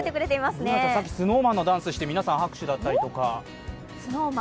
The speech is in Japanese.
Ｂｏｏｎａちゃん、さっきＳｎｏｗＭａｎのダンスして拍手いただいたりとか。